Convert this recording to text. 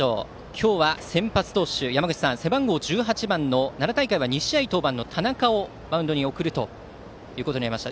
今日は先発投手、背番号１８番の奈良大会は２試合登板の田中をマウンドに送りました。